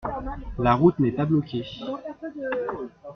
La route n’est pas bloquée.